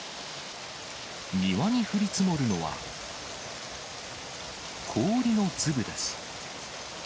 庭に降り積もるのは、氷の粒です。